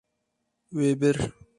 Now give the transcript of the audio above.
Wê bir.